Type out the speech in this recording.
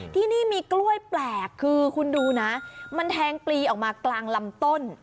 ที่นี่มีกล้วยแปลกคือคุณดูนะมันแทงปลีออกมากลางลำต้น